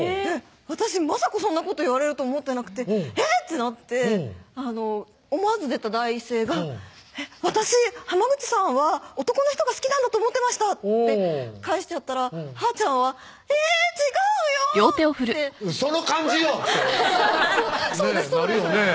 私まさかそんなこと言われると思ってなくてえっ⁉ってなって思わず出た第一声が「私口さんは男の人が好きなんだと思ってました」って返しちゃったらはーちゃんは「えぇっ違うよぉ」って「その感じよ！」ってねぇなるよねぇ